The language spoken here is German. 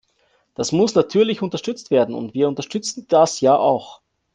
Dies muss natürlich unterstützt werden, und wir unterstützen das ja auch.